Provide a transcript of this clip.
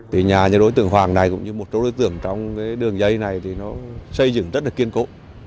từ nhà như đối tượng hoàng này cũng như một số đối tượng trong đường dây này thì nó xây dựng rất là kiên cố